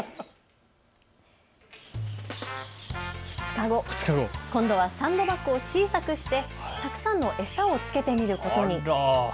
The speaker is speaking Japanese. ２日後、今度はサンドバックを小さくしてたくさんの餌を付けてみることに。